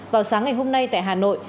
vào sáng ngày hôm nay tại hà nội